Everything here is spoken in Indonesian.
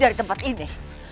di tempat ini